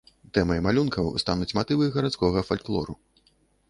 Тэмай малюнкаў стануць матывы гарадскога фальклору.